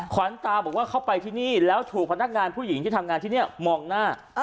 ขวัญตาบอกว่าเข้าไปที่นี่แล้วถูกพนักงานผู้หญิงที่ทำงานที่นี่มองหน้า